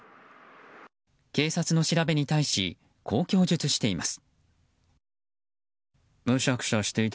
警察の調べに対しこう供述しています。